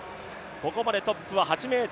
ここまでトップは８ｍ